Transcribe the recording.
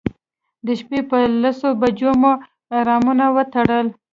د شپې په لسو بجو مو احرامونه وتړل.